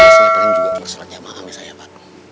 saya pernah juga tersolat yamaah misalnya pak